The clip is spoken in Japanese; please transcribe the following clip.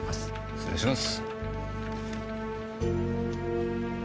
失礼します。